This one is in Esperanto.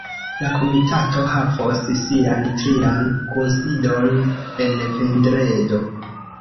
La komitato havos sian trian kunsidon en vendredo.